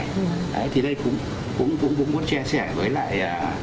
đấy thì đây cũng muốn chia sẻ với lại